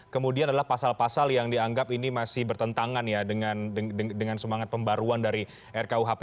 kemudian adalah pasal pasal yang dianggap ini masih bertentangan ya dengan semangat pembaruan dari rkuhp